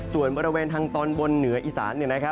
ส่วนบริเวณทางตอนบนเหนืออีสาน